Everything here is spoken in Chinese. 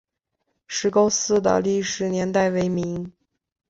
石沟寺的历史年代为明。